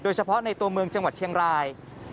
เฉพาะในตัวเมืองจังหวัดเชียงราย